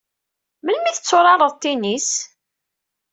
Melmi ay tetturareḍ tennis?